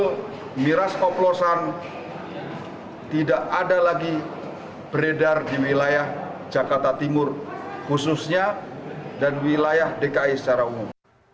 itu miras oplosan tidak ada lagi beredar di wilayah jakarta timur khususnya dan wilayah dki secara umum